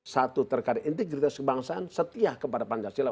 satu terkait integritas kebangsaan setia kepada pancasila